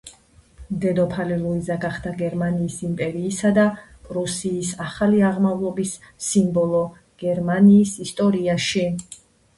დედოფალი ლუიზა გახდა გერმანიის იმპერიისა და პრუსიის ახალი აღმავლობის სიმბოლო გერმანიის ისტორიაში.